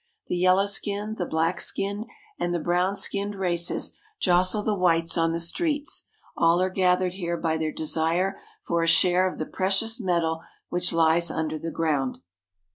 The yellow skinned, the black skinned, and the brown skinned races jostle the whites on the streets — all are gathered here by their desire for a share of the precious metal which lies under the ground.